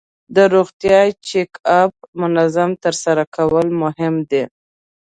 د روغتیا چک اپ منظم ترسره کول مهم دي.